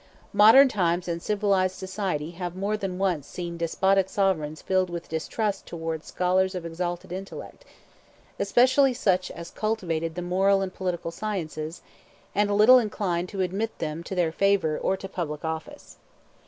Modern times and civilized society have more than once seen despotic sovereigns filled with distrust towards scholars of exalted intellect, especially such as cultivated the moral and political sciences, and little inclined to admit them to their favor or to public office.